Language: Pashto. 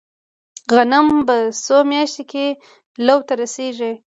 غنم په څو میاشتو کې لو ته رسیږي؟